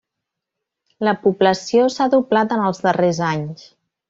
La població s'ha doblat en els darrers anys.